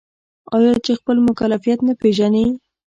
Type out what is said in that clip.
آیا چې خپل مکلفیت نه پیژني؟